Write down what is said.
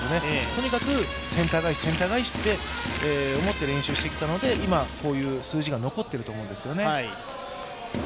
とにかくセンター返し、センター返しと思って練習してきたので今、こういう数字が残っていると思うんですね。